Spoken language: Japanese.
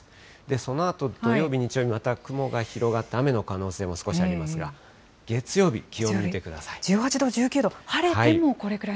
そのあと土曜日、日曜日、また雲が広がって、雨の可能性も少しありますが、月曜日、気温見てください。